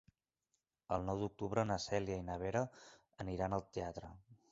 El nou d'octubre na Cèlia i na Vera aniran al teatre.